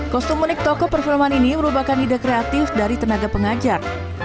kostum unik toko perfilman ini merupakan ide kreatif dari tenaga pengajar